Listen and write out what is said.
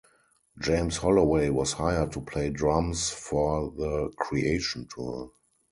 James Holloway was hired to play drums for the Creation tour.